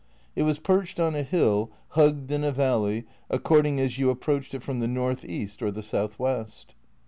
It was perched on a hill, hugged in a valley, according as you approached it from the north east or the south west.